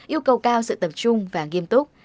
yêu cầu cao sự tập trung và nghiêm túc